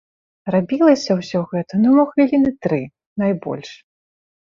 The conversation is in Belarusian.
Рабілася ўсё гэта ну мо хвіліны тры, найбольш.